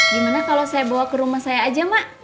gimana kalau saya bawa ke rumah saya aja mak